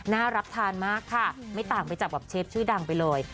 น่ารับทานมากค่ะไม่ต่างไปจับกับเชฟชื่อดังไปเลย